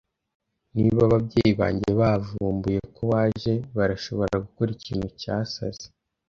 Niba ababyeyi banjye bavumbuye ko waje, barashobora gukora ikintu cyasaze.